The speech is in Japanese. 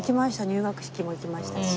入学式も行きましたし。